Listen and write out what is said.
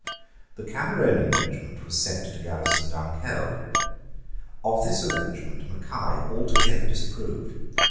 The Cameronian regiment was sent to garrison Dunkeld. Of this arrangement Mackay altogether disapproved.